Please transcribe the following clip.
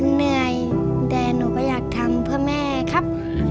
เหนื่อยแต่หนูก็อยากทำเพื่อแม่ครับ